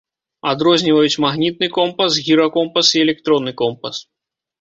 Адрозніваюць магнітны компас, гіракомпас і электронны компас.